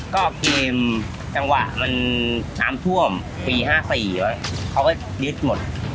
ก็เกมจังหวะมันน้ำท่วมปี๕๔เขาก็ยึดหมด